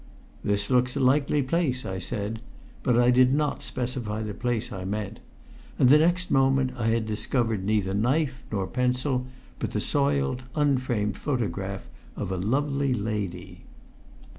"This looks a likely place," I said; but I did not specify the place I meant, and the next moment I had discovered neither knife nor pencil, but the soiled, unframed photograph of a lovely lady.